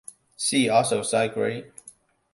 See also: sidegrade.